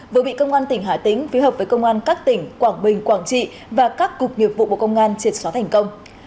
vừa bị công an tỉnh hà tĩnh phía hợp với công an các tỉnh quảng bình quảng trị và các cục nghiệp vụ bộ công an triệt xóa thành công